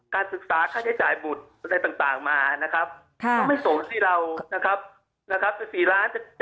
การศึกษาค่าใช้จ่ายบุตรอะไรต่างมาก็ไม่ส่งที่เรา